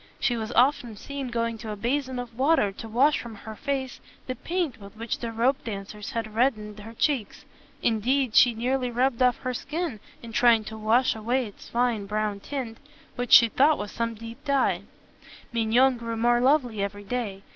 She was often seen going to a basin of water to wash from her face the paint with which the ropedancers had red dened her cheeks: indeed, she nearly rubbed off the skin in trying to wash away its fine brown tint, which she thought was some deep dye. Mignon grew more lovely every day.